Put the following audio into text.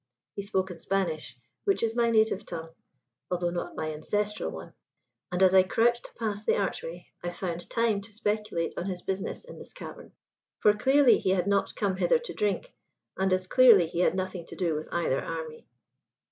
He spoke in Spanish, which is my native tongue although not my ancestral one. And as I crouched to pass the archway I found time to speculate on his business in this cavern. For clearly he had not come hither to drink, and as clearly he had nothing to do with either army.